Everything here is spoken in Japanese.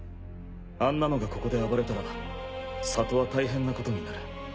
あんなのがここで暴れたら里は大変なことになる。